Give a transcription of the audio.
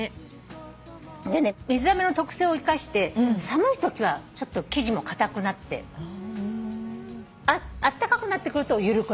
でね水あめの特性を生かして寒いときは生地もかたくなってあったかくなってくると緩くなるのよ。